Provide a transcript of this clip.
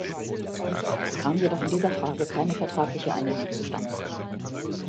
Es kam jedoch in dieser Frage keine vertragliche Einigung zustande.